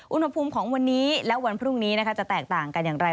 อุณหภูมิของวันนี้และวันพรุ่งนี้จะแตกต่างกันอย่างไร